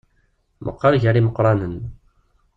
Meqqer gar yimeqqranen.